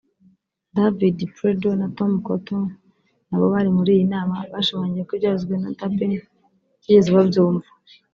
David Perdue na Tom Cotton nabo bari muri iyi nama bashimangiye ko ibyavuzwe na Durbin batigeze babyumva